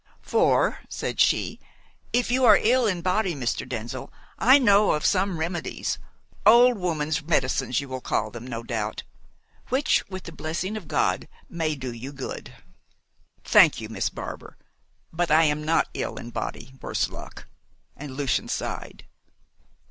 "For," said she, "if you are ill in body, Mr. Denzil, I know of some remedies old woman's medicines you will call them, no doubt which, with the blessing of God, may do you good." "Thank you, Miss Barbar, but I am not ill in body worse luck!" and Lucian sighed.